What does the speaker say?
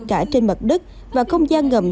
cả trên mặt đất và không gian ngầm